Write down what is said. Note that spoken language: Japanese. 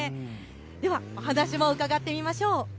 ではお話を伺ってみましょう。